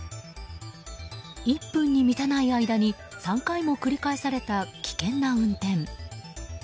１分に満たない間に３回も繰り返された危険な運転。